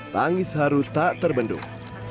tangis haru tak terbendung